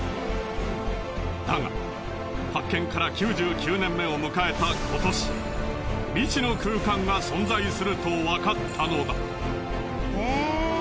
だが発見から９９年目を迎えた今年未知の空間が存在するとわかったのだ。